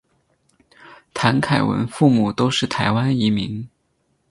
谭凯文父母都是台湾移民。